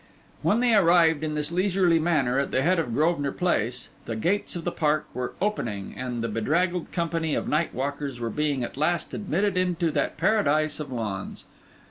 When they arrived, in this leisurely manner, at the head of Grosvenor Place, the gates of the park were opening and the bedraggled company of night walkers were being at last admitted into that paradise of lawns.